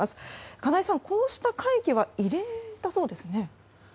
金井さん、こうした会議は異例だそうですね？